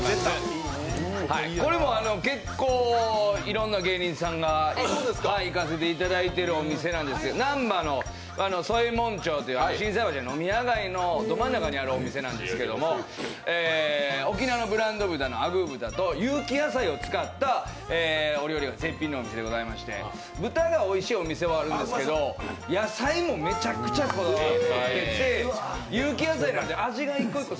これも結構、いろんな芸人さんが行かせていただいてるお店なんですけど難波の心斎橋の飲み屋街のど真ん中にあるお店なんですけど、沖縄のブランド豚のあぐー豚と有機野菜を使ったお料理が絶品のお店で、豚がおいしいお店はあるんですけど、野菜もめちゃくちゃおいしくて有機野菜なんで味が一個一個